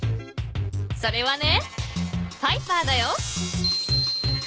それはねパイパーだよ。